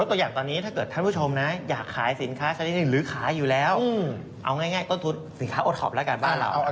ต้องอย่างสไลด์ที่เราโชว์เนี้ยนะใช่อยากขายอย่างอย่างอยากขายอ่ะ